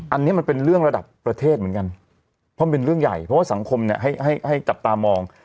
อันนี้มันเป็นเรื่องระดับประเทศเหมือนกันเพราะมันเป็นเรื่องใหญ่เพราะว่าสังคมเนี่ยให้ให้จับตามอง